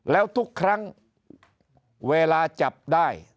แล้วทุกครั้งเวลาจับได้